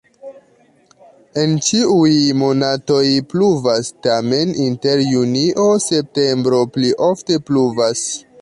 En ĉiuj monatoj pluvas, tamen inter junio-septembro pli ofte pluvas.